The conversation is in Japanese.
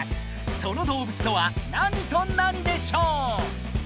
その動物とは何と何でしょう？